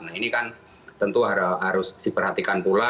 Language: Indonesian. nah ini kan tentu harus diperhatikan pula